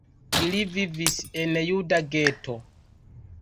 Ili vivis en juda geto.